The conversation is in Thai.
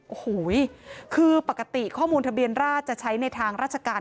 โอ้โหคือปกติข้อมูลทะเบียนราชจะใช้ในทางราชการ